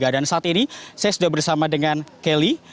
dan saat ini saya sudah bersama dengan kelly